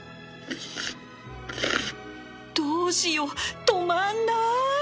どうしよう止まんない！